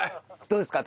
どうですか？